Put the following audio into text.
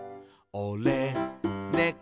「おれ、ねこ」